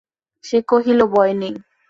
সে কহিল, ভয় নেই।